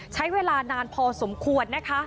ใช้เวลานานพอสมควร